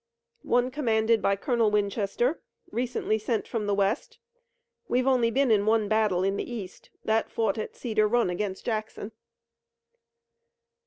"One commanded by Colonel Winchester, recently sent from the west. We've been in only one battle in the east, that fought at Cedar Run against Jackson."